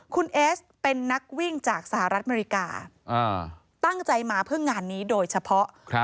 คุณเอสเป็นนักวิ่งจากสหรัฐอเมริกาตั้งใจมาเพื่องานนี้โดยเฉพาะ